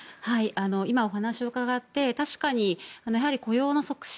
今、お話を伺って確かに雇用の促進